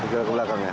satu km ke belakang ya